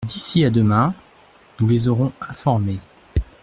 D’ici à demain nous les aurons informés.